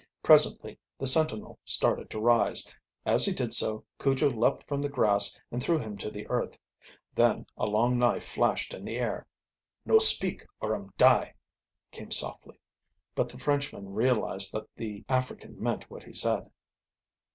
Presently the sentinel started to rise. As he did so Cujo leaped from the grass and threw him to the earth. Then a long knife flashed in the air. "No speak, or um diet" came softly; but, the Frenchman realized that the African meant what he said.